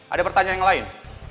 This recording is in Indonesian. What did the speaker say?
ada pertanyaan yang lain